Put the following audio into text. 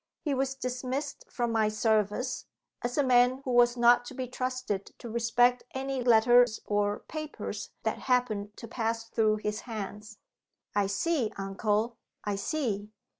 He was dismissed from my service, as a man who was not to be trusted to respect any letters or papers that happened to pass through his hands." "I see, uncle! I see!"